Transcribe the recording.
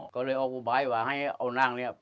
ก็เลยออกอุบายว่าให้เอานั่งเนี่ย